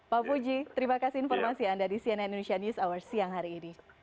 pak puji terima kasih informasi anda di cnn indonesia news hour siang hari ini